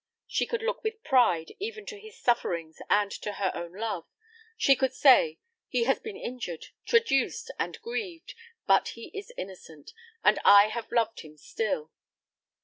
She could look with pride even to his sufferings and to her own love; she could say, "He has been injured, traduced, and grieved, but he is innocent, and I have loved him still."